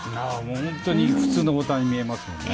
本当に普通のボタンに見えますもんね。